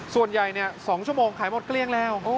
ส่วนใหญ่๒ชั่วโมงขายหมดเกลี้ยงแล้ว